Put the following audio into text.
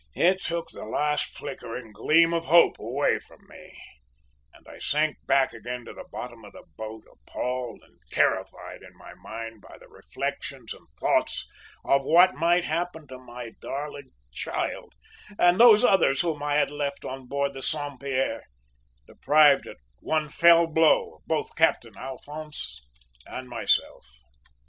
"It took the last flickering gleam of hope away from me, and I sank back again to the bottom of the boat, appalled and terrified in my mind by the reflections and thoughts, of what might happen to my darling child and those others whom I had left on board the Saint Pierre, deprived at one fell blow of both Captain Alphonse and myself.